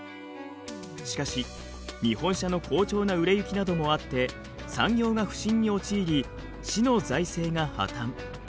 しかし日本車の好調な売れ行きなどもあって産業が不振に陥り市の財政が破綻。